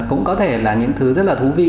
cũng có thể là những thứ rất là thú vị